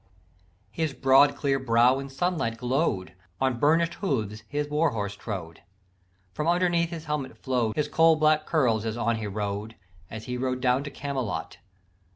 "His broad clear brow in sunlight glow'd; On burnish'd hooves his warhorse trode; From underneath his helmet flow'd His coal black curls as on he rode, As he rode down to Camelot.